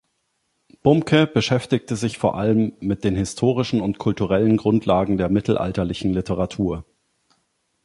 Bumke beschäftigte sich vor allem mit den historischen und kulturellen Grundlagen der mittelalterlichen Literatur.